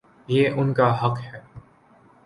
یہ ان کا حق ہے۔